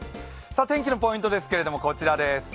天気のポイントですけれども、こちらです。